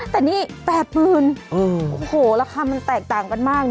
แต่นี่๘๐๐๐โอ้โหราคามันแตกต่างกันมากนะ